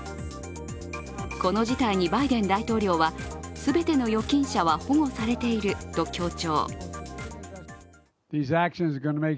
この事態にバイデン大統領は、全ての預金者は保護されていると強調。